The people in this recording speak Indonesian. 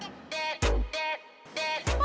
pak pak pak